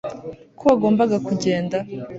ko wagombaga kugenda